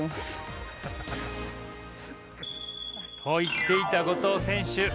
こう言っていた後藤選手